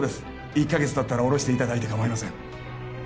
１カ月たったらおろしていただいてかまいません